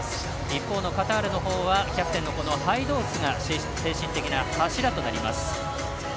一方のカタールのほうはキャプテンのハイドースが精神的な柱となります。